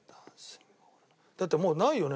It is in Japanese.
だってもうないよね？